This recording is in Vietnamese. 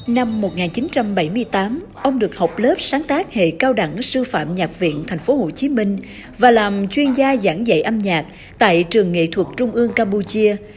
năm một nghìn chín trăm bảy mươi tám ông được học lớp sáng tác hệ cao đẳng sư phạm nhạc viện tp hcm và làm chuyên gia giảng dạy âm nhạc tại trường nghệ thuật trung ương campuchia